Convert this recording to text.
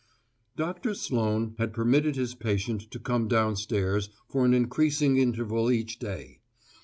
Doctor Sloane had permitted his patient to come down stairs for an increasing interval each day.